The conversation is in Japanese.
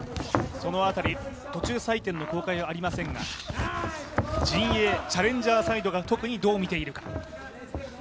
途中採点の公開はありませんが、陣営、チャレンジャーサイドが特にどうみているか。